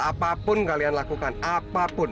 apapun kalian lakukan apapun